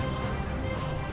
aku benci dengan sandiwara ini